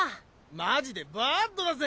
マジでバッドだぜ。